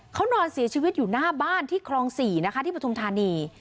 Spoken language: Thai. เขานอนเสียชีวิตอยู่หน้าบ้านที่คลอง๔นะคะที่ปฐุมธานี